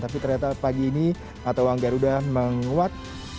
tapi ternyata pagi ini atau wanggaruda menguat